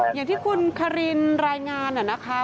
อย่างที่คุณคารินรายงานนะคะ